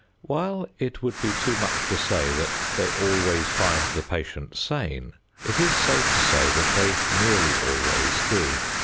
While it would be too much to say that they always find the patient sane, it is safe to say that they nearly always do.